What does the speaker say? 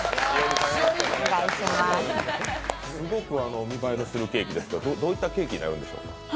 すごく見栄えのするケーキですが、どういったケーキになるんでしょう？